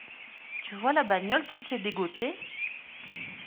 Tu vois la bagnole qu’il s’est dégotée ?